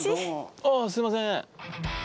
ああすいません。